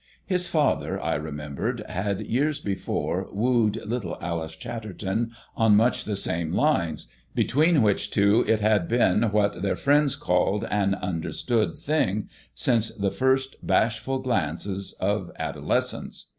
His father, I remembered, had, years before, wooed little Alice Chatterton on much the same lines, between which two it had been what their friends called an "understood thing," since the first bashful glances of adolescence.